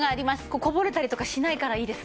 こぼれたりとかしないからいいですね。